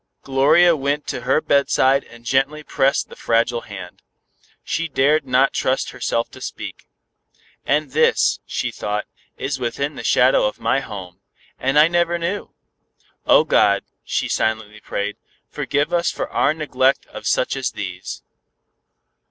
Gloria went to her bedside and gently pressed the fragile hand. She dared not trust herself to speak. And this, she thought, is within the shadow of my home, and I never knew. "Oh, God," she silently prayed, "forgive us for our neglect of such as these."